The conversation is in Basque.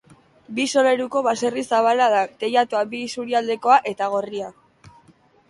Bi solairuko baserri zabala da, teilatua bi isurialdekoa eta gorria.